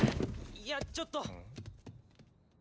・いやちょっと。